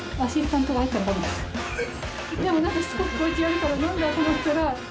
何かしつこくこうやるから何だ？と思ったら。